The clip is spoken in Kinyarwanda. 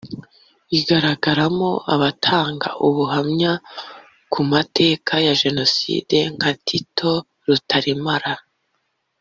Igaragaramo abatanga ubuhamya ku mateka ya Jenoside nka Tito Rutaremara